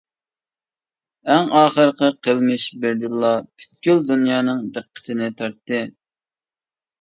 ئەڭ ئاخىرقى قىلمىش بىردىنلا پۈتكۈل دۇنيانىڭ دىققىتىنى تارتتى.